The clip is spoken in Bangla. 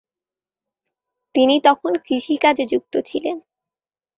তিনি তখন কৃষিকাজে যুক্ত ছিলেন।